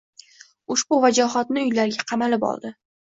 Ushbu vajohatni uylariga qamalib oldi.